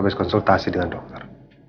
habis konsultasi dengan dokter